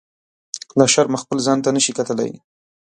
له شرمه خپل ځان ته نه شي کتلی.